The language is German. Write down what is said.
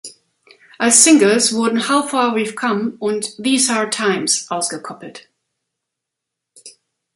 Als Singles wurden "How Far We’ve Come" und "These Hard Times" ausgekoppelt.